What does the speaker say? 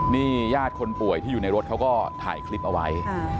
นี่ญาติคนป่วยที่อยู่ในรถเขาก็ถ่ายคลิปเอาไว้